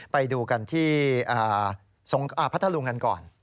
ไปดูกันที่พัทธรุงกันก่อน